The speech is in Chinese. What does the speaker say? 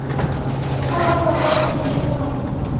散花龙船花为茜草科龙船花属下的一个种。